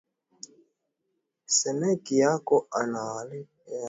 Semeki yako ana waleteya bintu bia ku mashamba